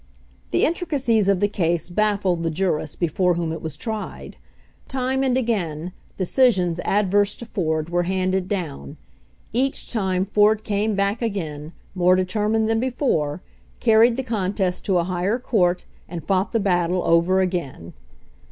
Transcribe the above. The intricacies of the case baffled the jurists before whom it was tried. Time and again de cisions adverse to Ford were handed down. Each time Ford came back again, more determined than before, carried the contest to a higher court and fought the battle over again.